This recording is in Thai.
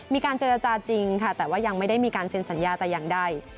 มีการเจรจาจริงค่ะแต่ว่ายังไม่ได้มีการเซ็นสัญญาแต่อย่างใด